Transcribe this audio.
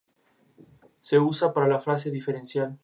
Se usa para la fase diferencial.